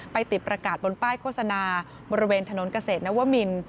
ติดประกาศบนป้ายโฆษณาบริเวณถนนเกษตรนวมิน